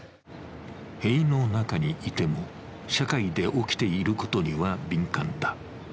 塀の中にいても、社会で起きていることには敏感だ。